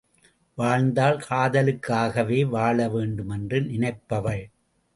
வாழ்ந்தால் காதலுக்காகவே வாழ வேண்டுமென்று நினைப்பவள்.